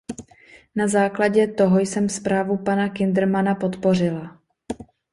Na základě toho jsem zprávu pana Kindermanna podpořila.